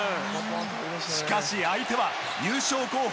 しかし、相手は優勝候補